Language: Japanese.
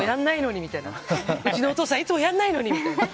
うちのお父さんいつもやらないのにみたいな。